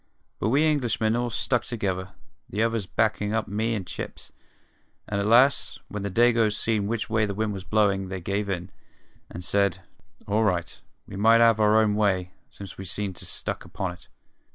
But we Englishmen all stuck together, the others backin' up me and Chips; and at last, when the Dagoes seen which way the wind was blowin', they give in, and said, all right, we might 'ave our own way, since we seemed so stuck upon it.